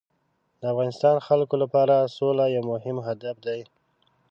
د افغانستان خلکو لپاره سوله یو مهم هدف دی.